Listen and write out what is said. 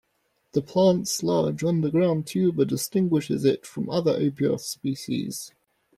The plant's large underground tuber distinguishes it from other "Apios" species.